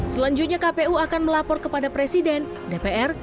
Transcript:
selanjutnya kpu akan melapor kepada presiden dpr